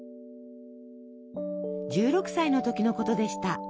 １６歳の時のことでした。